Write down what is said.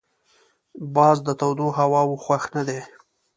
باز د تودو هواوو خوښ نه دی